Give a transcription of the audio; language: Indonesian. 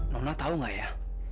nona tau ga ya